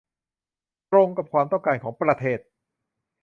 ตรงกับความต้องการของประเทศ